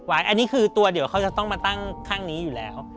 อันนี้คือตัวเดียวเขาจะต้องมาตั้งข้างนี้อยู่แล้ว